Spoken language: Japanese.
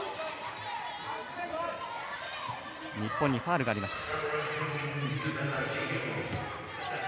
日本にファウルがありました。